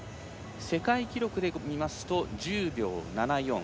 世界記録で見ますと１０秒７４。